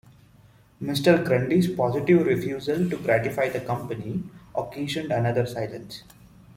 Mr. Grundy’s positive refusal to gratify the company occasioned another silence.